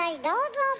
どうぞ！